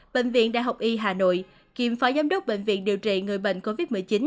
bệnh viện đại học y hà nội kiêm phó giám đốc bệnh viện điều trị người bệnh covid một mươi chín